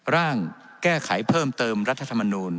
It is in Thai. ร่างแก้ไขเพิ่มเติมรัฐธรรมนูล